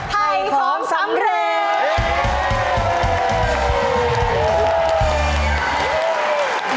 ให้ของสำเร็จ